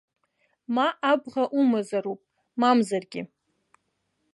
Ма абӷа умазароуп, мамзаргьы.